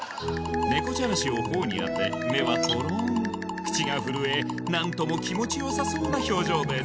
猫じゃらしを頬にあて目はトローン口が震え何とも気持ちよさそうな表情です